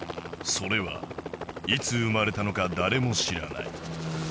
それはいつ生まれたのか誰も知らない